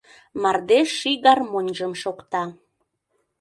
Мардеж ший гармоньжым шокта.